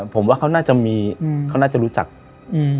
ผมว่าเขาน่าจะมีอืมเขาน่าจะรู้จักอืม